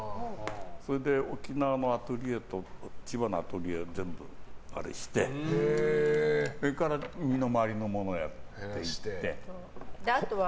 それで沖縄と千葉のアトリエを全部あれしてそれから身の回りのものをやって。